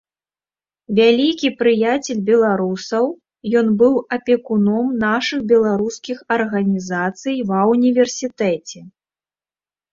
Вялікі прыяцель беларусаў, ён быў апекуном нашых беларускіх арганізацый ва ўніверсітэце.